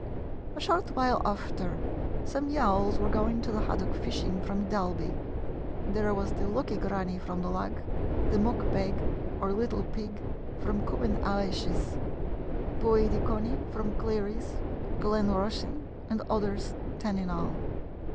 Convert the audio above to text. A short while after some yawls were going to the haddock fishing from Dalby. There was the 'Lucky Granny' from the Lagg, the Muck Beg, or Little Pig, from Cubbon Aalish's, Boid y Conney from Cleary's, Glen Rushen, and others, ten in all.